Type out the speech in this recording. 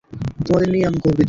তোমাদের নিয়ে আমি গর্বিত।